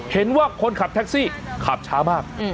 เห็นว่าคนขับแท็กซี่ขับช้ามาก